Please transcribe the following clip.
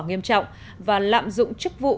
nghiêm trọng và lạm dụng chức vụ